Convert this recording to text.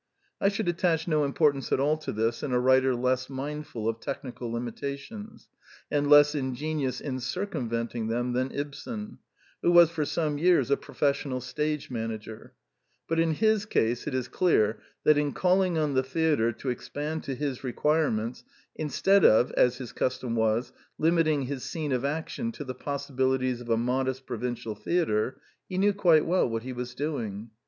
I should attach no importance at all to this in a writer less mindful of technical limitations, and less ingenious in circumventing them than Ibsen, who was for some years a professional stage manager; but in his case it is clear that in calling on the theatre to expand to his requirements in stead of, as his custom was, limiting his scene of action to the possibilities of a modest provincial theatre, he knew quite well what he was doing.